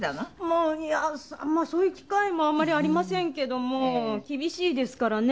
もういやそういう機会もあんまりありませんけども厳しいですからね。